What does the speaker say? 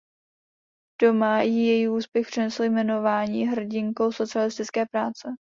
Doma jí její úspěch přinesl jmenování Hrdinkou socialistické práce.